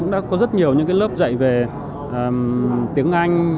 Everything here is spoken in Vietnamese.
để có những cái điều kiện